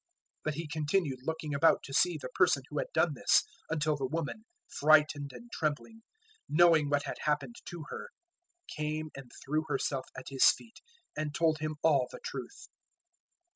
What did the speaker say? '" 005:032 But He continued looking about to see the person who had done this, 005:033 until the woman, frightened and trembling, knowing what had happened to her, came and threw herself at His feet, and told Him all the truth.